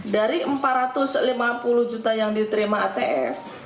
dari empat ratus lima puluh juta yang diterima atf